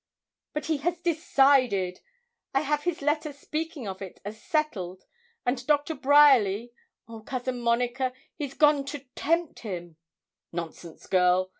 'But he has decided. I have his letter speaking of it as settled; and Doctor Bryerly oh, Cousin Monica, he's gone to tempt him.' 'Nonsense, girl!